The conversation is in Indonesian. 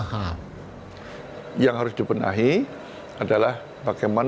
alasan warga di jakarta dan sekitar jepang